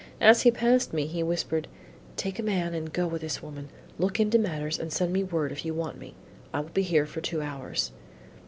As he passed me, he whispered, "Take a man and go with this woman; look into matters and send me word if you want me; I will be here for two hours."